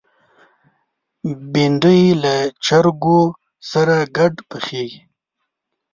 بېنډۍ له چرګو سره ګډ پخېږي